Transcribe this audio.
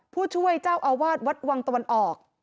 ผู้ช่วยเจ้าอาวาสวัตว์วันตัวรออก